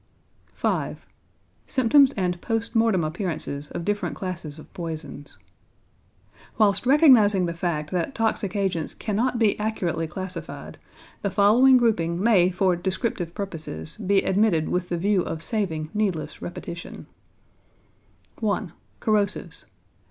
V. SYMPTOMS AND POST MORTEM APPEARANCES OF DIFFERENT CLASSES OF POISONS Whilst recognizing the fact that toxic agents cannot be accurately classified, the following grouping may for descriptive purposes be admitted with the view of saving needless repetition: 1. =Corrosives.